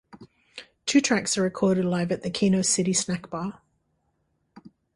Two tracks are recorded live at the Keno City Snackbar.